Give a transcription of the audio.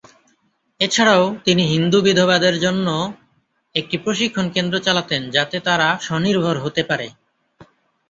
এছাড়াও, তিনি হিন্দু বিধবাদের জন্য একটি প্রশিক্ষণ কেন্দ্র চালাতেন যাতে তারা স্বনির্ভর হতে পারে।